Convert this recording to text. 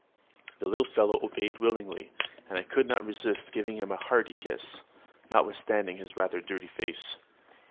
The little fellow obeyed willingly; and I could not resist giving him a hearty kiss, notwithstanding his rather dirty face.